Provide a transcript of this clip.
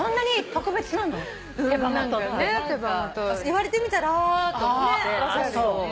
言われてみたらああっと思って。